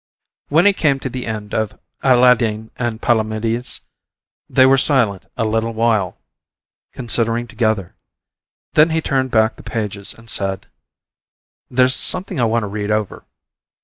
When he came to the end of Alladine and Palomides they were silent a little while, considering together; then he turned back the pages and said: "There's something I want to read over.